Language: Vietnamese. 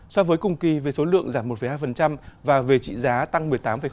so với cùng kỳ về số lượng giảm một hai và về trị giá tăng một mươi tám sáu